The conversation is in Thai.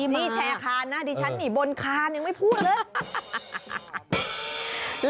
นี่แชร์คานนะดิฉันนี่บนคานยังไม่พูดเลย